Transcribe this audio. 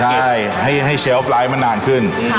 ใช่ให้เชฟไลฟ์มานานขึ้น